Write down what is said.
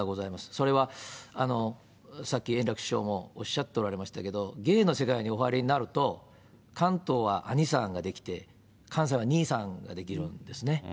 それはさっき、円楽師匠もおっしゃっておられましたけれども、芸の世界にお入りになると、関東はあにさんが出来て、関西は兄さんが出来るんですね。